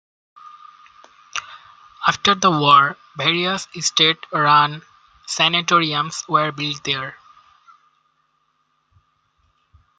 After the war, various state-run sanatoriums were built there.